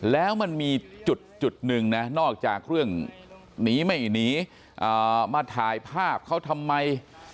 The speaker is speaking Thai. แล้วมันมีจุดหนึ่งนะนอกจากเรื่องหนีไม่หนีมาถ่ายภาพเขาทำไม